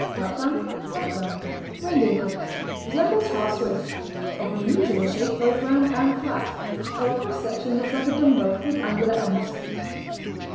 Lapland Lapland Reindeer milk. Resembles hard Swiss. Of unusual shape, both round and flat, so a cross section looks like a dumbbell with angular ends.